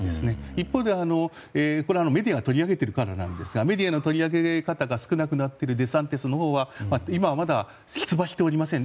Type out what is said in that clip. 一方で、メディアが取り上げているかなんですがメディアの取り上げ方が少なくなっているデサンティスのほうは今はまだ出馬しておりません。